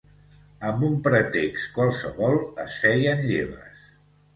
Amb un pretext qualsevol, es feien lleves